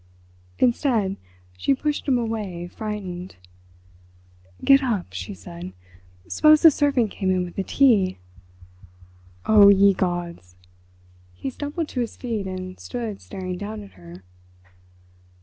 Instead, she pushed him away—frightened. "Get up," she said; "suppose the servant came in with the tea?" "Oh, ye gods!" He stumbled to his feet and stood staring down at her.